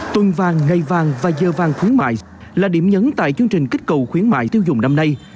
tuần vàng ngày vàng và giờ vàng khuyến mại là điểm nhấn tại chương trình kích cầu khuyến mại tiêu dùng năm nay